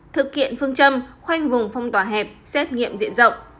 thực hiện phương châm khoanh vùng phong tỏa hẹp xét nghiệm diện rộng